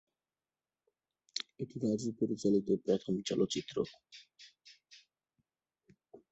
এটি রাজু পরিচালিত প্রথম চলচ্চিত্র।